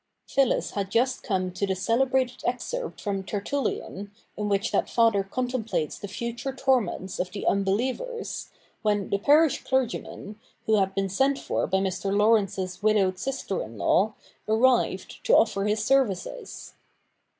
Phyllis had just come to the celebrated excerpt from Tertullian, in which that father con templates the future torments of the unbelievers, when the parish clergyman, who had been sent for by Islr. Laurence's widowed sister in law, arrived to offer his services.